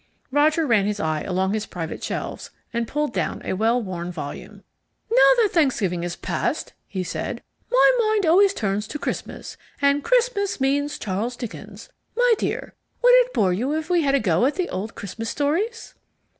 Roger ran his eye along his private shelves, and pulled down a well worn volume. "Now that Thanksgiving is past," he said, "my mind always turns to Christmas, and Christmas means Charles Dickens. My dear, would it bore you if we had a go at the old Christmas Stories?"